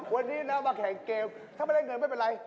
วันนี้นะมาแข่งเกมถ้าไม่ได้เงินไม่เป็นไร